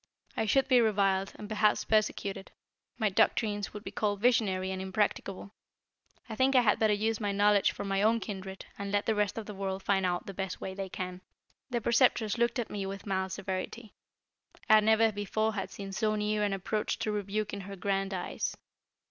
I should be reviled, and perhaps persecuted. My doctrines would be called visionary and impracticable. I think I had better use my knowledge for my own kindred, and let the rest of the world find out the best way it can." The Preceptress looked at me with mild severity. I never before had seen so near an approach to rebuke in her grand eyes.